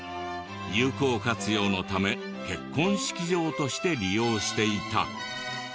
有効活用のため結婚式場として利用していた。